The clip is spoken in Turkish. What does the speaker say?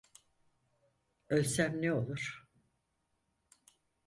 Ölsem ne olur?